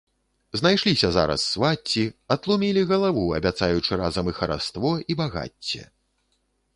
Знайшліся зараз свацці, атлумілі галаву, абяцаючы разам і хараство і багацце.